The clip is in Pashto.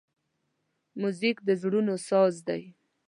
موزیک د زړونو ساز دی.